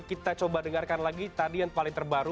kita coba dengarkan lagi tadi yang paling terbaru